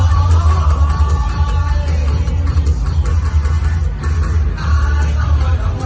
ช้าทุกเรือไม่ได้กลัวไหว้